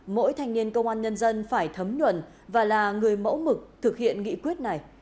mỗi thanh niên công an nhân dân phải thấm nhuần và là người mẫu mực thực hiện nghị quyết này